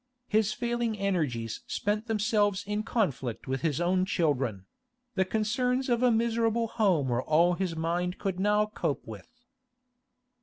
His failing energies spent themselves in conflict with his own children; the concerns of a miserable home were all his mind could now cope with.